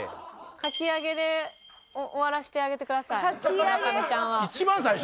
「かき揚げ」で終わらしてあげてください村上ちゃんは。